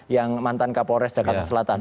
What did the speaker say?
yang mantan kapolres jakarta selatan